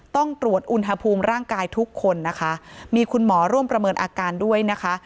ต้องตรวจอุณหภูมิร่างกายทุกคนนะคะมีคุณหมอร่วมประเมินอาการด้วยนะคะ